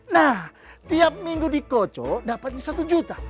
nah tiap minggu dikocok dapatnya satu juta